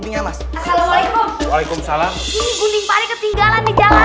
jangan sakit eh penang aja